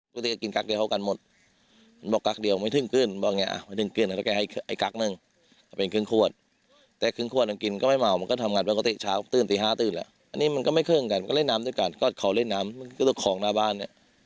ช่องหนาเขานั่งเหลี้ยงเป็นก็นั่งควรลองทุ่งครับมันก็ไม่ทะเลาะกัน